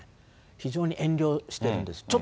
非常に遠慮してるんです。